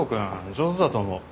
上手だと思う。